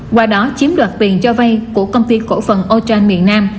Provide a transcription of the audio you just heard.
qua đó chiếm đoạt tiền cho vay của công ty cổ phần ochain miền nam